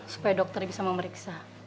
supaya dokter bisa memeriksa